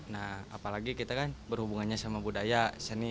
nah apalagi kita kan berhubungannya sama budaya seni